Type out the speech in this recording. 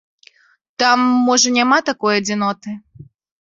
Там можа няма такой адзіноты.